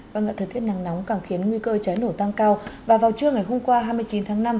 vâng ạ thời tiết nắng nóng càng khiến nguy cơ cháy nổ tăng cao và vào trưa ngày hôm qua hai mươi chín tháng năm